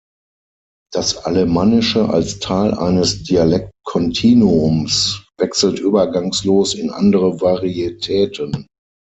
Das Alemannische als Teil eines Dialektkontinuums wechselt übergangslos in andere Varietäten.